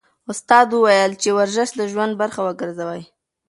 استاد وویل چې ورزش د ژوند برخه وګرځوئ.